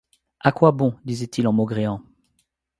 À quoi bon ? disait-il en maugréant